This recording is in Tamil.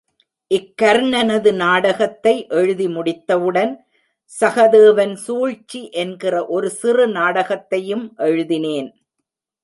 இக் கர்ணனது நாடகத்தை எழுதி முடித்தவுடன், சகதேவன் சூழ்ச்சி என்கிற ஒரு சிறு நாடகத்தையும் எழுதினேன்.